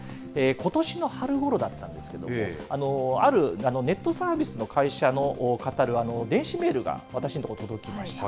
ことしの春ごろだったんですけれども、あるネットサービスの会社をかたる電子メールが私の所に届きました。